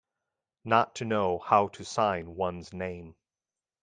Not to know how to sign one's name.